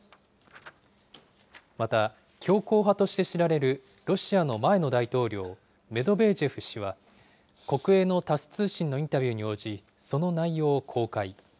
また、強硬派として知られるロシアの前の大統領、メドベージェフ氏は、国営のタス通信のインタビューに応じ、その内容を公開。